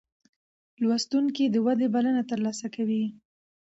لوستونکی د ودې بلنه ترلاسه کوي.